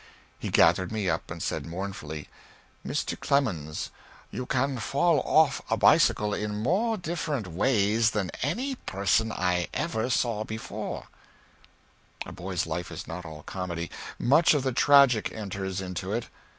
He gathered me up and said mournfully: "Mr. Clemens, you can fall off a bicycle in more different ways than any person I ever saw before." [Sidenote: (1849.)] A boy's life is not all comedy; much of the tragic enters into it.